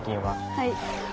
はい。